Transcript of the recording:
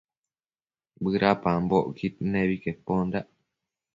bëdapambocquid nebi quepandac